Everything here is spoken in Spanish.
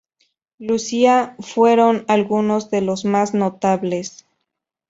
Lucia fueron algunos de los más notables.